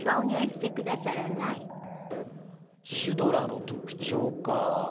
シュドラの特徴か。